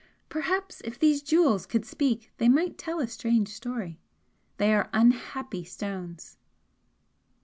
Perhaps if these jewels could speak they might tell a strange story! they are unhappy stones!"